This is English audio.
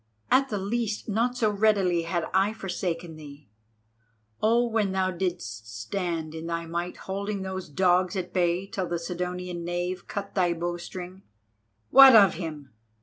At the least, not so readily had I forsaken thee. Oh, when thou didst stand in thy might holding those dogs at bay till the Sidonian knave cut thy bowstring——" "What of him?